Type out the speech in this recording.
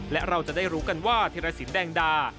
และเราจะได้รู้กันว่าธิรสินแดงดา